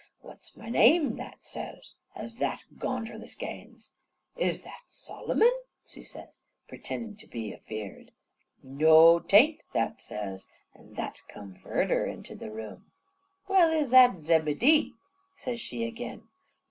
"What's my name?" that says, as that gonned her the skeins. "Is that Solomon?" she says, pretendin' to be a feard. "Noo, tain't," that says, an' that come fudder inter the room. "Well, is that Zebedee?" says she agin.